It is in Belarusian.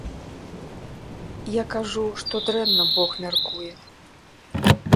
Я кажу, што дрэнна бог мяркуе.